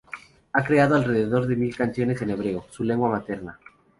Ha creado alrededor de mil canciones en hebreo, su lengua materna.